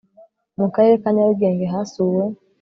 mu karere ka nyarugenge hasuwe